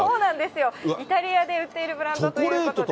イタリアで売っているブランドということで。